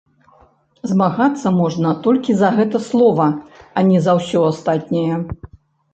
Змагацца можна толькі за гэта слова, а не за ўсё астатняе.